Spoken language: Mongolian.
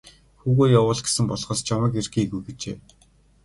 Хүүгээ явуул гэсэн болохоос чамайг ир гээгүй гэжээ.